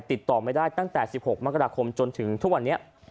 ติดต่อไม่ได้ตั้งแต่๑๖มกราคมจนถึงทุกวันนี้